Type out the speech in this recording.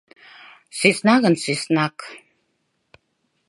Сӧсна гын, сӧснак...